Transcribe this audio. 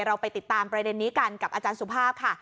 เราไปติดตามประเด็นนี้กันกับอาจารย์สุภาพค่ะ